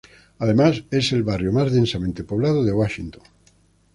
Además es el barrio más densamente poblado de Washington.